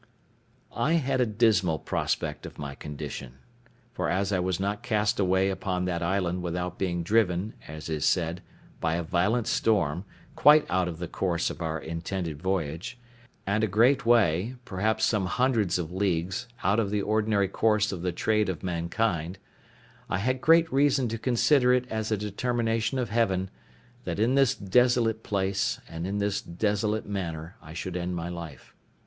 I had a dismal prospect of my condition; for as I was not cast away upon that island without being driven, as is said, by a violent storm, quite out of the course of our intended voyage, and a great way, viz. some hundreds of leagues, out of the ordinary course of the trade of mankind, I had great reason to consider it as a determination of Heaven, that in this desolate place, and in this desolate manner, I should end my life.